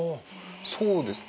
そうですか。